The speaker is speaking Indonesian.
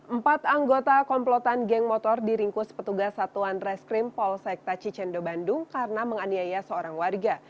empat anggota komplotan geng motor diringkus petugas satuan reskrim polsekta cicendo bandung karena menganiaya seorang warga